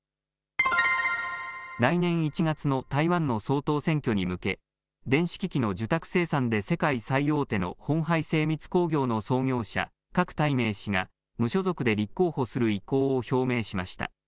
来年１月の台湾の総統選挙に向け、電子機器の受託生産で世界最大手のホンハイ精密工業の創業者、郭台銘氏が、無所属で立候補する意向を表明しました。